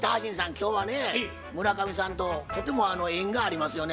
今日はね村上さんととても縁がありますよね